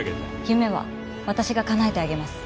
夢は私がかなえてあげます。